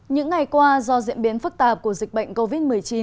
những ngày qua do diễn biến phức tạp của dịch bệnh covid một mươi chín